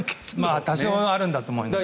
多少はあるんだと思いますね。